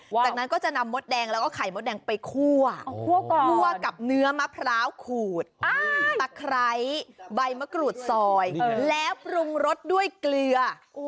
จากนั้นก็จะนำมดแดงแล้วก็ไข่มดแดงไปคั่วคั่วกับเนื้อมะพร้าวขูดตะไคร้ใบมะกรูดซอยแล้วปรุงรสด้วยเกลือ